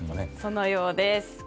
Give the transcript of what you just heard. そのようです。